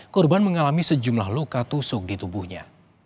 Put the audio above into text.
korban mengalami sejumlah luka tusuk di tubuhnya